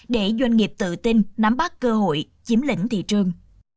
để doanh nghiệp tự tin nắm bắt cơ hội chiếm lĩnh thị trường